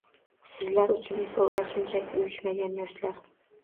Sizlar uchun esa ular shunchaki «Uyushmagan yoshlar»